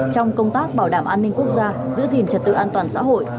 trong công tác bảo đảm an ninh quốc gia giữ gìn trật tự an toàn xã hội